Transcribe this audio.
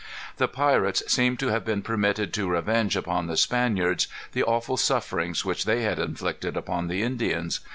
The pirates seem to have been permitted to revenge upon the Spaniards the awful sufferings which they had inflicted upon the Indians.